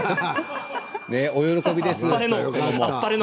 お喜びですよ。